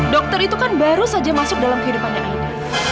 dokter itu kan baru saja masuk dalam kehidupannya ayuda